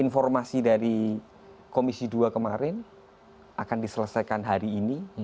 informasi dari komisi dua kemarin akan diselesaikan hari ini